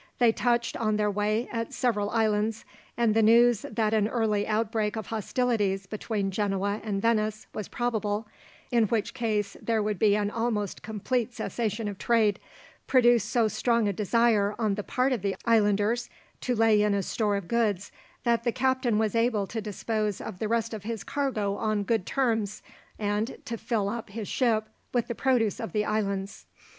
They touched, on their way, at several islands, and the news that an early outbreak of hostilities between Genoa and Venice was probable in which case there would be an almost complete cessation of trade produced so strong a desire, on the part of the islanders, to lay in a store of goods, that the captain was able to dispose of the rest of his cargo on good terms, and to fill up his ship with the produce of the islands.